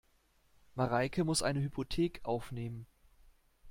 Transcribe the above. Mareike muss eine Hypothek aufnehmen.